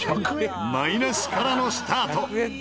マイナスからのスタート。